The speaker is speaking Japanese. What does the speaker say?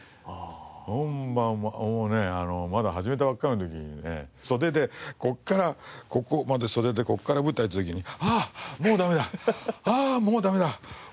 本番もうねあのまだ始めたばっかの時にね袖でここからここまで袖でここから舞台っていう時にああもうダメだああもうダメだ。